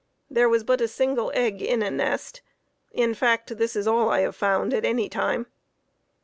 There was but a single egg in a nest; in fact this is all I have found at any time.